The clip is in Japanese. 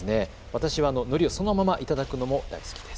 私はのりをそのままいただくことも大好きです。